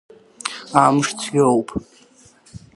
Амыш цәгьоуп.